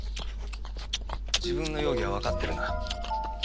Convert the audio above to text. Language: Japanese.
自分の容疑はわかってるな？